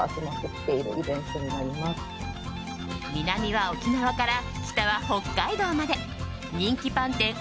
南は沖縄から、北は北海道まで人気パン店